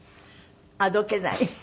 あどけない。